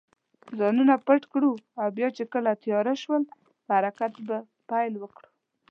ځانونه پټ کړو او بیا چې کله تېاره شول، په حرکت به پیل وکړو.